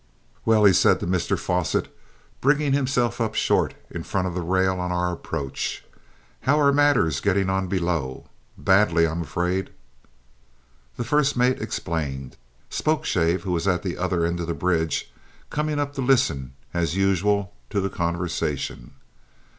"Well," he said to Mr Fosset, bringing himself up short in front of the rail on our approach, "how are matters getting on below badly, I'm afraid?" The first mate explained. Spokeshave, who was at the other end of the bridge, coming up to listen, as usual, to the conversation.